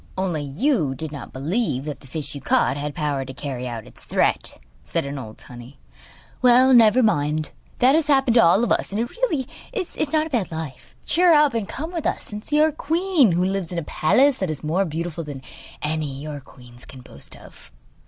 'Only you did not believe that the fish you caught had power to carry out its threat,' said an old tunny. 'Well, never mind, that has happened to all of us, and it really is not a bad life. Cheer up and come with us and see our queen, who lives in a palace that is much more beautiful than any your queens can boast of.